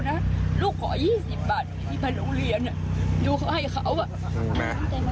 หลอกจะซ้ำนะเดี๋ยวแบรนด์มันบังมันอยู่ที่นี่ไว้